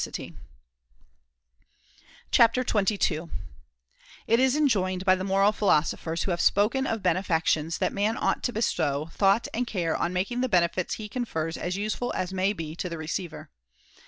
] Of gfiving It is enjoined by the moral philosophers who good guts jj^yg spoken of benefactions that man ought to bestow thought and care on making the benefits he confers as useful as may be to the receiver.